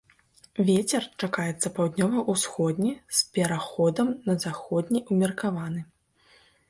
Вецер чакаецца паўднёва-ўсходні з пераходам на заходні ўмеркаваны.